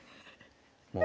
もう。